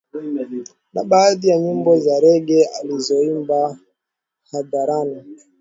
Na baadhi ya nyimbo za rege alizoimba hadharani